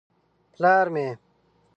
_ پلار مې.